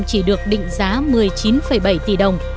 chỉ được định giá một mươi chín bảy tỷ đồng